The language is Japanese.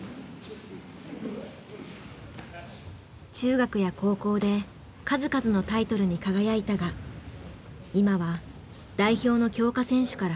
中学や高校で数々のタイトルに輝いたが今は代表の強化選手から外れている。